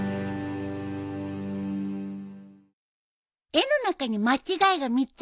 絵の中に間違いが３つあるよ。